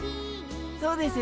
そうです。